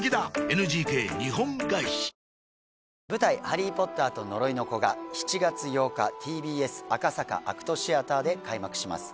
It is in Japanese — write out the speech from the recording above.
「ハリー・ポッターと呪いの子」が７月８日ＴＢＳ赤坂ＡＣＴシアターで開幕します